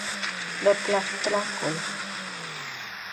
Notlajtlakol